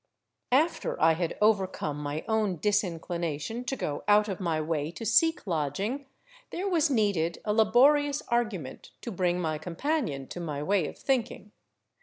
After I had overcome my own disinclination to go out of my way to seek lodging, there was needed a laborious argument to bring my companion to my way of thinking.